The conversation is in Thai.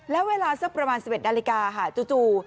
แล้วเวลาสักประมาณ๑๑นาฬิกาค่ะจู่